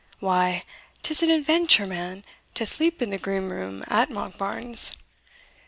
Why, 'tis an adventure, man, to sleep in the Green Room at Monkbarns.